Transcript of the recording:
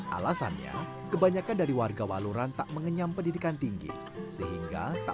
alasannya kebanyakan dari warga waluran tak mengenyam pendidikan tinggi sehingga tak